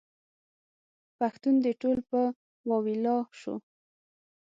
پښتون دې ټول په واویلا شو.